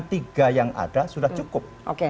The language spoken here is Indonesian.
tiga yang ada sudah cukup